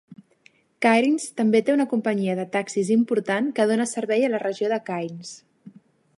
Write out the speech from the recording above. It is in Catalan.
Cairns també té una companyia de taxis important que dona servei a la regió de Cairns.